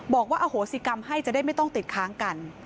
บอกว่าอโหสิกรรมให้จะได้ไม่ต้องติดค้างกัน